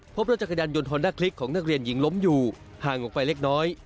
พบรถจักรยานยนต์ฮอนด้าคลิกของนักเรียนหญิงล้มอยู่ห่างออกไปเล็กน้อย